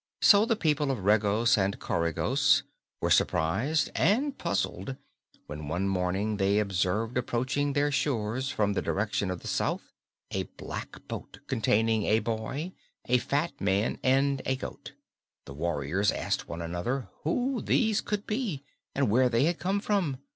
So the people of Regos and Coregos were surprised and puzzled when one morning they observed approaching their shores from the direction of the south a black boat containing a boy, a fat man and a goat. The warriors asked one another who these could be, and where they had come from?